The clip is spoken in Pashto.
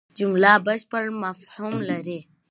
جمله بشپړ مفهوم لري.